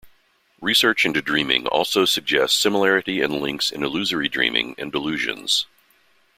Research into dreaming also suggests similarity and links in illusory dreaming and delusions.